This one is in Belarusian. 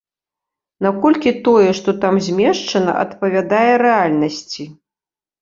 Наколькі тое, што там змешчана, адпавядае рэальнасці?